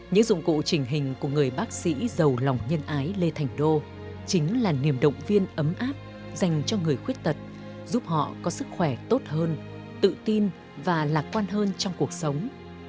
những dụng cụ trình hình của người bác sĩ giàu lòng nhân ái lê thành đô chính là niềm động viên ấm áp dành cho người khuyết tật giúp họ có sức khỏe tốt hơn tự tin và lạc quan hơn trong cuộc sống